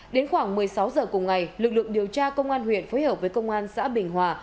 đến khoảng một mươi sáu h cùng ngày lực lượng điều tra công an huyện phối hợp với công an xã bình hòa